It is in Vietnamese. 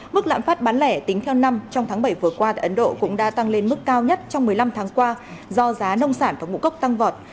mức lãm phát bán lẻ tính theo năm trong tháng bảy vừa qua tại ấn độ cũng đã tăng lên mức cao nhất trong một mươi năm tháng qua do giá nông sản và ngũ cốc tăng vọt